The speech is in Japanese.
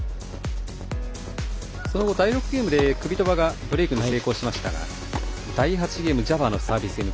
その後、第６ゲームでクビトバがブレークに成功しましたが第８ゲームジャバーのサービスゲーム